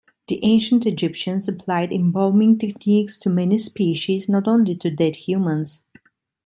The Ancient Egyptians applied embalming techniques to many species, not only to dead humans.